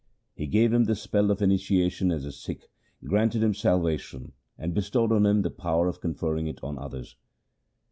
He gave him the spell of initia tion as a Sikh, granted him salvation, and bestowed on him the power of conferring it on others.